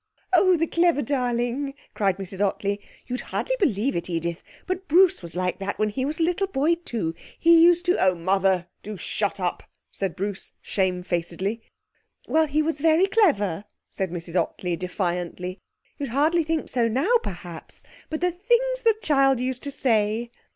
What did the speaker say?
'Oh, the clever darling!' cried Mrs Ottley. 'You'd hardly believe it, Edith, but Bruce was like that when he was a little boy too. He used to ' 'Oh mother, do shut up!' said Bruce shame facedly. 'Well, he was very clever,' said Mrs Ottley defiantly. 'You'd hardly think so now perhaps, but the things that child used to say!'